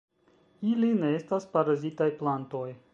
Ili ne estas parazitaj plantoj.